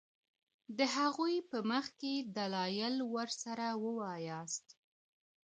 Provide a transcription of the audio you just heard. د هغوی په مخکي دلائل ورسره وواياست